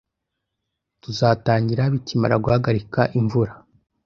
Tuzatangira bikimara guhagarika imvura